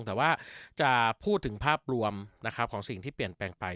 แต่ว่าจะพูดถึงภาพรวมของสิ่งที่เปลี่ยนแปลงไป